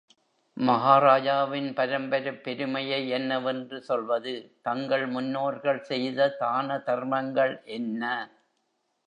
மகாராஜாவின் பரம்பரைப் பெருமையை என்னவென்று சொல்வது தங்கள் முன்னோர்கள் செய்த தான தர்மங்கள் என்ன!